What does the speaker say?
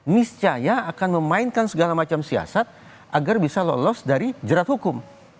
niscaya akan memainkan segala macam siasat agar bisa lolos dari jerat hukum